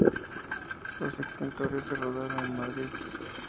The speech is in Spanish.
Los exteriores se rodaron en Madrid.